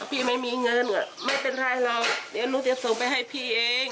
พี่ไม่มีเงินไม่เป็นไรหรอกเดี๋ยวหนูจะส่งไปให้พี่เอง